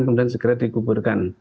kemudian segera dikuburkan